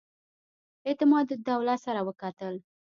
اعتمادالدوله سره وکتل.